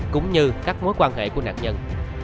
cũng như các mối quan hệ của nạn nhân